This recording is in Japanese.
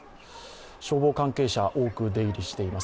消防関係者、多く出入りしています